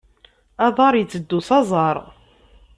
Aḍar yetteddu s aẓar.